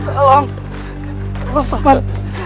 alam pak mat